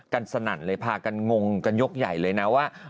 สนั่นเลยพากันงงกันยกใหญ่เลยนะว่า